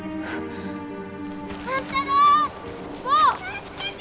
・助けて！